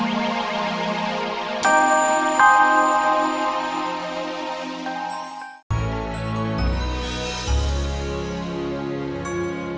sampai jumpambana seperti ini